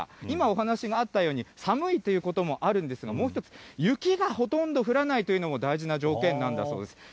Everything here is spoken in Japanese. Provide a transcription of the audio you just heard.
今、お話があったように、寒いということもあるんですが、もう一つ、雪がほとんど降らないというのも大事な条件なんだそうです。